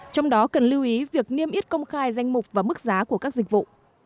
trong đó cần lưu ý việc niêm yết công khai danh mục và mức giá của các dịch vụ